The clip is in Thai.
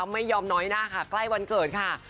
ไม่ยอมน้อยหน้าค่ะใกล้วันเกิดค่ะ